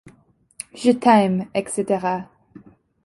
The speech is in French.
Je t'aime, etc.